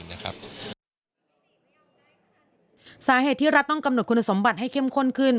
สาเหตุที่รัฐต้องกำหนดคุณสมบัติให้เข้มข้นขึ้น